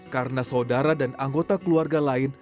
karena saudara dan anggota keluarga lain